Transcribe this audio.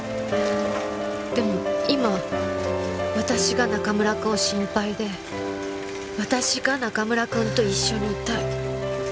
でも今私が中村くんを心配で私が中村くんと一緒にいたい